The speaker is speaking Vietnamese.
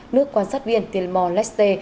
nước quan sát viên tiên mò lê xê